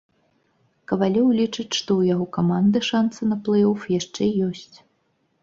Кавалёў лічыць, што ў яго каманды шанцы на плэй-оф яшчэ ёсць.